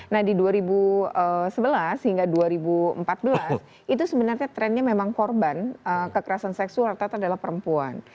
nah di dua ribu sebelas hingga dua ribu empat belas itu sebenarnya trennya memang korban kekerasan seksual tata adalah perempuan